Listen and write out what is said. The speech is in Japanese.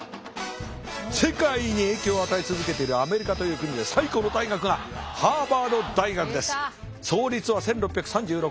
世界に影響を与え続けているアメリカという国で最高の大学が創立は１６３６年。